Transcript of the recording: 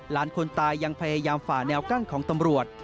คนตายยังพยายามฝ่าแนวกั้นของตำรวจ